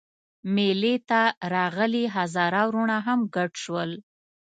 مېلې ته راغلي هزاره وروڼه هم ګډ شول.